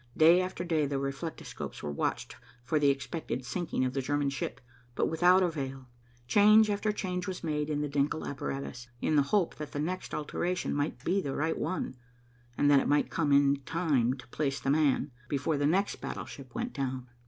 Day after day the reflectoscopes were watched for the expected sinking of the German ship, but without avail. Change after change was made in the Denckel apparatus, in the hope that the next alteration might be the right one, and that it might come in time to place the man, before the next battleship went down.